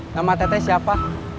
nama teteh siapa